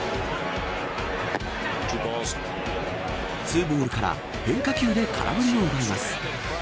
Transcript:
ツーボールから変化球で空振りを奪います。